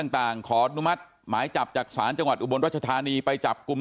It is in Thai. ต่างขออนุมัติหมายจับจากศาลจังหวัดอุบลรัชธานีไปจับกลุ่ม